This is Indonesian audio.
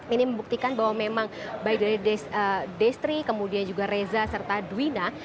ini membuktikan bahwa memang baik dari destri kemudian juga reza serta duwina